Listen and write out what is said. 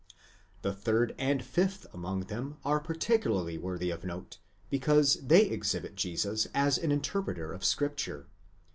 The third and fifth among them are particularly worthy of note, because they exhibit Jesus as an interpreter of Scripture.